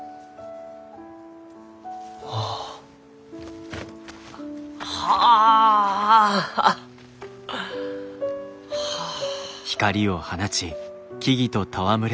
あ。はあ。はあ。